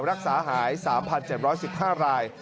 รักษาหาย๓๗๑๕ราย